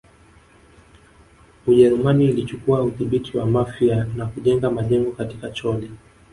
Ujerumani ilichukua udhibiti wa Mafia na kujenga majengo katika Chole